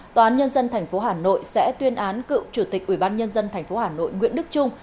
tòa án nhân dân tp hà nội sẽ tuyên án cựu chủ tịch ủy ban nhân dân tp hà nội nguyễn đức trung